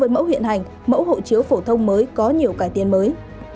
mẫu hiện hành mẫu hộ chiếu phổ thông mới có nhiều cải tiến mới